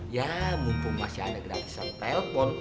ya mumpung masih ada gratisan telpon